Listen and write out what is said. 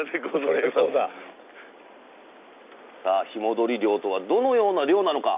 日戻り漁とはどのような漁なのか？